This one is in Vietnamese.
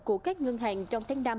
của các ngân hàng trong tháng năm